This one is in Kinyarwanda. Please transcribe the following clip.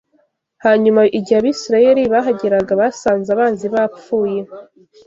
Hanyuma igihe Abisirayeli bahageraga, basanze abanzi bapfuye